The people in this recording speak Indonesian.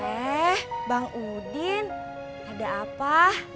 eh bang udin ada apa